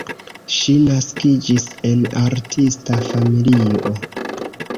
Ŝi naskiĝis en artista familio.